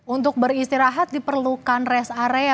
untuk beristirahat diperlukan rest area